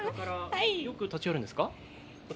よく立ち寄るんですか。